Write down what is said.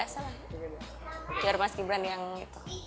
jadi enggak tinggal mas gibran untuk usahanya mas gibran sendiri